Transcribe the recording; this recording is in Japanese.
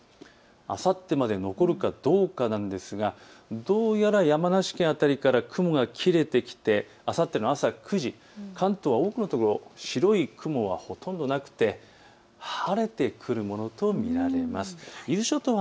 あさってまで残るかどうかですがどうやら山梨県の辺りから雲が切れてきて、あさっての朝９時、関東多くのところで白い雲がほとんどなくて晴れてくるものと見られます。